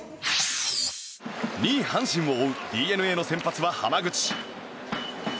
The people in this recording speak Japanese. ２位、阪神を追うＤｅＮＡの先発は濱口。